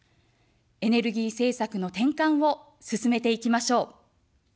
エネルギー政策の転換を進めていきましょう。